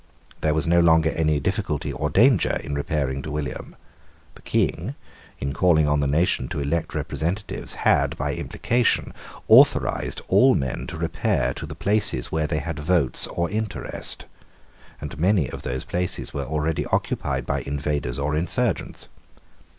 There was no longer any difficulty or danger in repairing to William. The King, in calling on the nation to elect representatives, had, by implication, authorised all men to repair to the places where they had votes or interest; and many of those places were already occupied by invaders or insurgents.